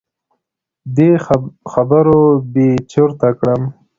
دې خبرو بې چرته کړم.